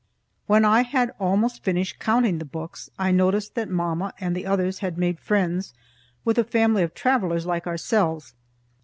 When I had almost finished counting the books, I noticed that mamma and the others had made friends with a family of travellers like ourselves.